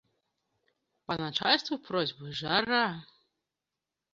Па начальству просьбы жара!